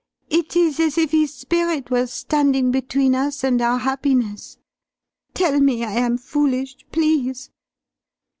It is as if his spirit were standing between us and our happiness. Tell me I am foolish, please."